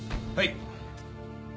はい。